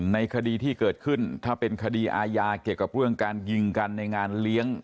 ในคดีที่เกิดขึ้นถ้าเป็นคดีอาญาเกี่ยวกับเรื่องการยิงกันในงานเลี้ยง